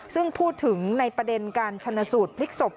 ซึ่งพูดถึงในประเด็นการชนสูตรพลิกศพ